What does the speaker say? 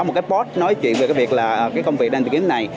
có một cái post nói chuyện về cái việc là cái công việc đang tìm kiếm này